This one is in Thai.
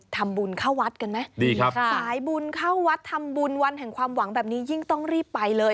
ทำบุญเข้าวัดกันไหมดีครับสายบุญเข้าวัดทำบุญวันแห่งความหวังแบบนี้ยิ่งต้องรีบไปเลย